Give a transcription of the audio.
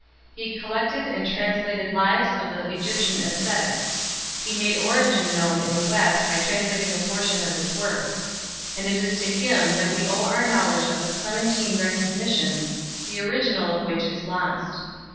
he collected and translated lives of the Egyptian ascetics ; he made Origen known in the West by translating a portion of his works ; and it is to him that we owe our knowledge of the Clementine Recognitions, the original of which is lost.